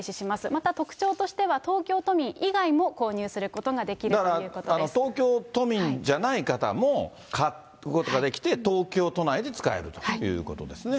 また特徴としては東京都民以外も購入することができますというこだから、東京都民じゃない方も買うことができて、東京都内で使えるということですね。